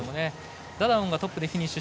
ダダオンがトップでフィニッシュ。